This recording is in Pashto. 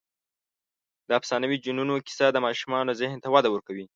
د افسانوي جنونو کیسه د ماشومانو ذهن ته وده ورکوي.